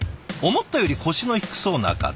思ったより腰の低そうな方。